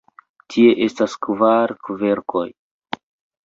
Tie estas kvar kverkoj.